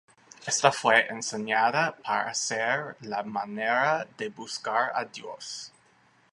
Ésta fue enseñada para ser la manera de buscar a dios.